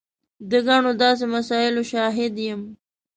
د ګڼو داسې مسایلو شاهد یم.